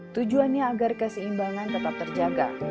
tujuannya agar keseimbangan tetap terjaga